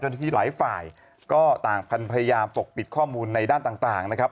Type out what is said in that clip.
เจ้าหน้าที่หลายฝ่ายก็ต่างพันธุ์พยายามปกปิดข้อมูลในด้านต่างนะครับ